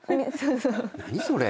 何それ？